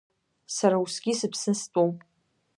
Сара усгьы сыԥсны стәоуп.